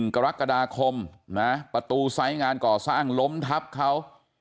กรกฎาคมนะประตูไซส์งานก่อสร้างล้มทับเขา